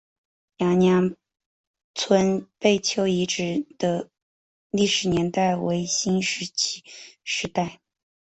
娘娘村贝丘遗址的历史年代为新石器时代。